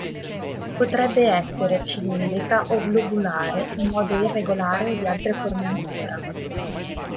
Potrebbe essere cilindrica o globulare in modo irregolare o di altre forme ancora.